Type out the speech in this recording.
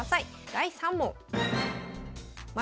第３問。